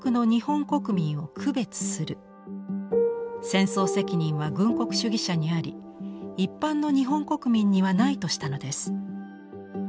戦争責任は軍国主義者にあり一般の日本国民にはないとしたのです。